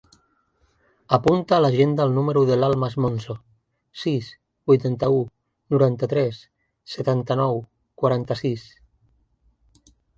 Apunta a l'agenda el número de l'Almas Monzo: sis, vuitanta-u, noranta-tres, setanta-nou, quaranta-sis.